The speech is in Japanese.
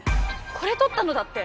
これ撮ったのだって